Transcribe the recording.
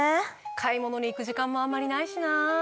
買い物に行く時間もあんまりないしなぁ。